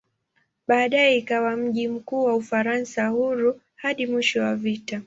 Baadaye ikawa mji mkuu wa "Ufaransa Huru" hadi mwisho wa vita.